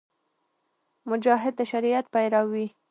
مجاهد د شریعت پیرو وي.